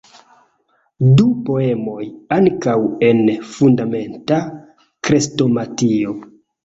Du poemoj ankaŭ en "Fundamenta Krestomatio".